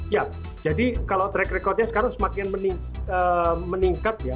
ya jadi kalau track recordnya sekarang semakin meningkat ya